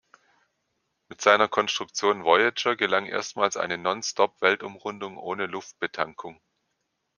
Mit seiner Konstruktion Voyager gelang erstmals eine Nonstop-Weltumrundung ohne Luftbetankung.